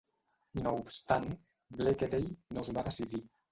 No obstant, Bleckede, no es va decidir.